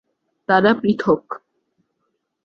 তারা পৃথক।